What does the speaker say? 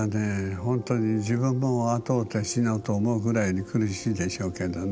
ほんとに自分も後を追って死のうと思うぐらいに苦しいでしょうけどね。